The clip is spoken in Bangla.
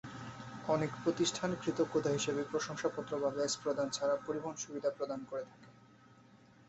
অনেক প্রতিষ্ঠান কৃতজ্ঞতা হিসাবে প্রশংসাপত্র বা ব্যাজ প্রদান ছাড়া পরিবহন সুবিধা প্রদান করে থাকে।